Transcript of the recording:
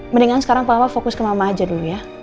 mendingan sekarang papa fokus ke mama aja dulu ya